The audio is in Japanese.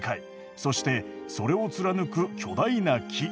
そしてそれを貫く巨大な樹。